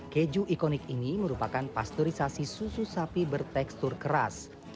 keju ikonik ini merupakan pasteurisasi susu sapi bertekstur keras